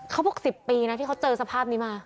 เขาบอก๑๐ปีนะที่เขาเจอสภาพนี้มา